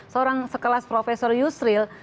seorang sekelas profesor yusril